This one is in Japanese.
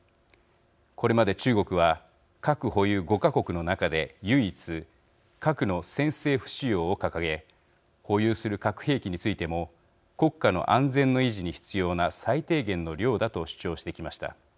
これまで中国は核保有５か国の中で唯一核の先制不使用を掲げ保有する核兵器についても国家の安全の維持に必要な最低限の量だと主張してきました。